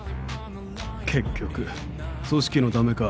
結局組織のためか？